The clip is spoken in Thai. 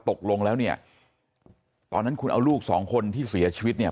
ตกลงแล้วเนี่ยตอนนั้นคุณเอาลูกสองคนที่เสียชีวิตเนี่ย